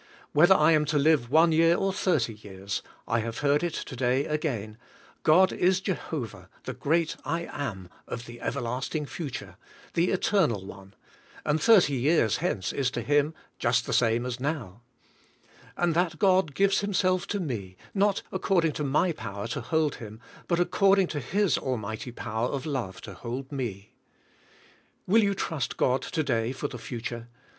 Whether I am to live one year, or thirty years, I have heard it to day again: 'God is Jehovah, the great I AM of the everlasting future, the eternal One; and thirty years hence is to Him just the same as now;' and that God gives Himself to me, not according to my power to hold Him, but ac ENTRANCE INTO REST 69 cording to His almighty power of love to hold me." Will j^ou trust God to day for the future?